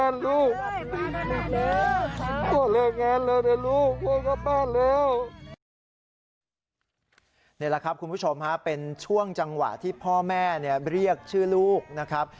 นี่แหละครับคุณผู้ชมฮะเป็นช่วงจังหวะที่พ่อแม่เรียกชื่อลูกนะครับ